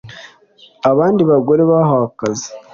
Abandi bagore bahawe akazi